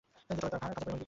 তার কাজের পরিমাণ বিপুল।